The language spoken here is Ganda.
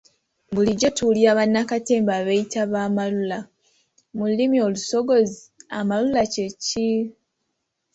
Bulijjo tuwulira bannakatemba abeeyita ba ‘amalula’, mu lulimi olusogozi amalula kye ki?